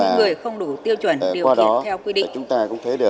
những người không đủ tiêu chuẩn điều kiện theo quy định